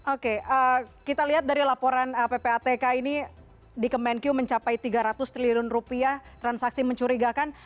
oke kita lihat dari laporan ppatk ini di kemenkyu mencapai tiga ratus triliun rupiah transaksi mencurigakan